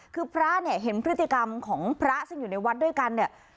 คือพระเนี่ยเห็นพฤติกรรมของพระซึ่งอยู่ในวัดด้วยกันเนี่ย